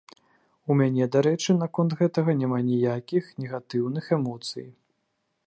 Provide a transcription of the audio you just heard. У мяне, дарэчы, наконт гэтага няма ніякіх негатыўных эмоцый.